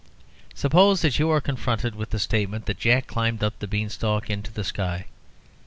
Suppose that you are confronted with the statement that Jack climbed up the beanstalk into the sky.